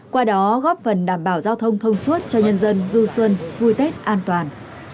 qua đó góp phần đảm bảo giao thông thông suốt cho nhân dân du xuân vui tết an toàn